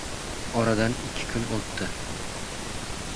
Oradan ikki kun o‘tdi.